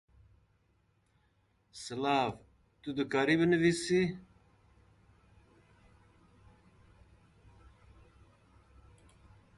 The current owners of the Villa are the descendants of Matilde.